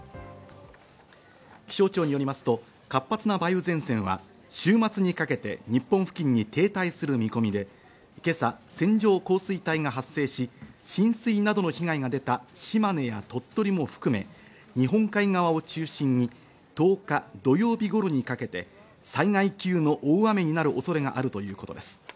気象庁によりますと、活発な梅雨前線は週末にかけて日本付近に停滞する見込みで、今朝、線状降水帯が発生し、浸水などの被害が出た島根や鳥取も含め日本海側を中心に１０日土曜日頃にかけて、災害級の大雨になる恐れがあるということです。